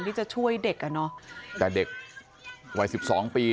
ที่จะช่วยเด็กอ่ะเนาะแต่เด็กวัย๑๒ปีเนี่ย